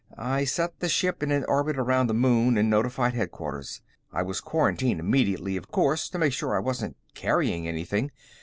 I set the ship in an orbit around the moon and notified headquarters. I was quarantined immediately, of course, to make sure I wasn't carrying anything.